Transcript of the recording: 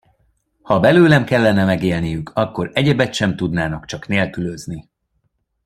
Ha belőlem kellene megélniük, akkor egyebet sem tudnának, csak nélkülözni.